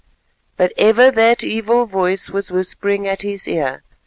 But ever that evil voice was whispering at his ear.